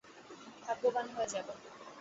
ভাগ্যবান হয়ে যাবে।